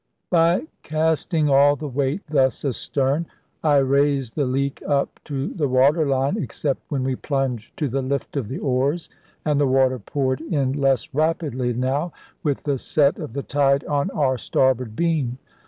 By casting all the weight thus astern, I raised the leak up to the water line, except when we plunged to the lift of the oars, and the water poured in less rapidly now, with the set of the tide on our starboard beam.